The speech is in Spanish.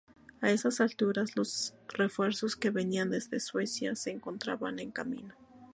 A esas alturas, los refuerzos que venían desde Suecia se encontraban en camino.